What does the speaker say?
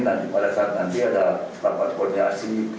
nanti pada saat nanti ada rapat koordinasi